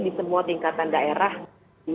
di semua tingkatan daerah di